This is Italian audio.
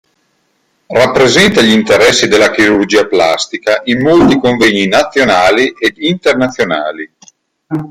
Rappresenta gli interessi della chirurgia plastica in molti convegni nazionali ed internazionali.